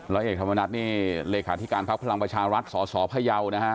แล้วเอกธรรมนัสนี่เลขาธิการพักพลังประชารัฐสสพย